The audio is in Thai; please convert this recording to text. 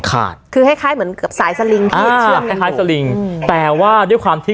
ขาดคือคล้ายคล้ายเหมือนกับสายสลิงเฉือกคล้ายคล้ายสลิงแต่ว่าด้วยความที่